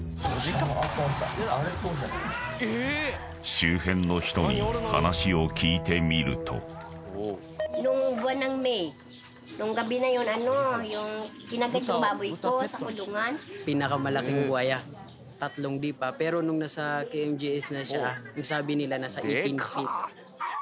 ［周辺の人に話を聞いてみると］でかっ！